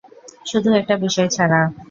শুধু একটা বিষয় ছাড়া।